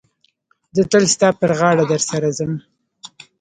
زه تل ستا پر غاړه در سره ځم.